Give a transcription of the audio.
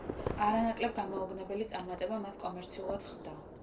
არანაკლებ გამაოგნებელი წარმატება მას კომერციულად ხვდა.